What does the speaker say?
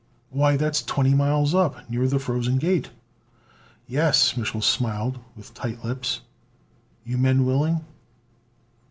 "Why, that's twenty miles up, near the Frozen Gate!" "Yes!" Mich'l smiled with tight lips. "You men willing?"